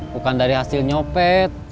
bukan dari hasil nyopet